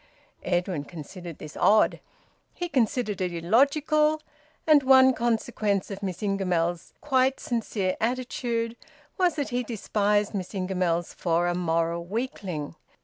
Edwin considered this odd; he considered it illogical; and one consequence of Miss Ingamells's quite sincere attitude was that he despised Miss Ingamells for a moral weakling.